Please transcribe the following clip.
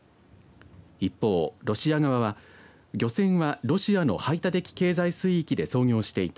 一方、ロシア側は漁船はロシアの排他的経済水域で操業していた。